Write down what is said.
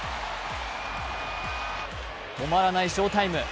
止まらない翔タイム。